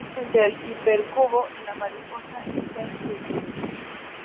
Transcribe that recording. La diferencia entre el hipercubo y la mariposa está en su implementación.